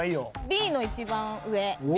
Ｂの一番上。